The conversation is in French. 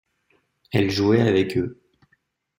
Elle jouait avec eux.